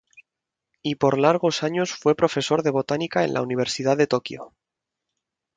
Y por largos años fue profesor de botánica en la Universidad de Tokio.